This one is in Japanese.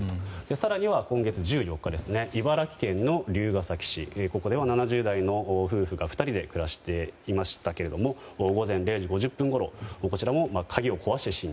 更に今月１４日茨城県龍ケ崎市ここでは７０代の夫婦が２人で暮らしていましたけども午前０時５０分ごろこちらも鍵を壊して侵入。